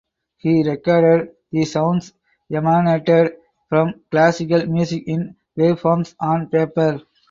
He recorded the sounds emanated from classical music in waveforms on paper.